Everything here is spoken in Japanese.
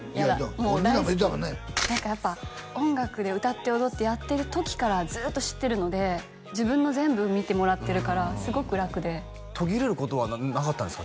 もう大好き何かやっぱ音楽で歌って踊ってやってる時からずっと知ってるので自分の全部見てもらってるからすごく楽で途切れることはなかったんですか？